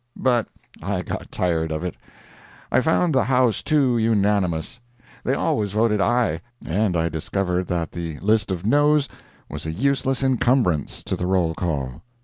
But I got tired of it. I found the House too unanimous; they always voted aye, and I discovered that the list of noes was a useless incumbrance to the roll call.